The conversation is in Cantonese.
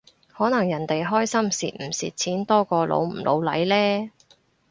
可能人哋關心蝕唔蝕錢多過老唔老嚟呢？